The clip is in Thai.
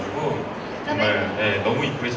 เป็นคนที่มีเสน่ห์มากเลย